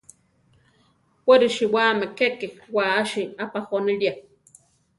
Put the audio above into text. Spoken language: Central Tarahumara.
We risiwáme keke wási apajónilia.